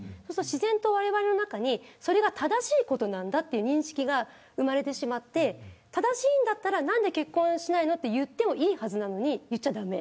自然と、われわれの中にそれが正しいことなんだという認識が生まれてしまって正しいんだったらなんで結婚しないのと言ってもいいはずなのに言っちゃ駄目。